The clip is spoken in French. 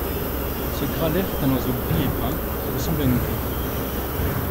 Ce grallaire est un oiseau gris et brun qui ressemble à une grive.